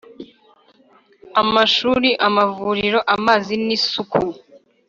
Amashuri, amavuriro , amazi n’isuku